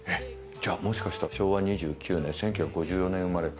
じゃあもしかしたら昭和２９年１９５４年生まれ？